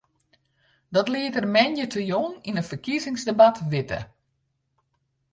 Dat liet er moandeitejûn yn in ferkiezingsdebat witte.